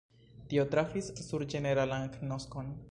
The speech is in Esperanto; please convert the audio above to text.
Tio trafis sur ĝeneralan agnoskon.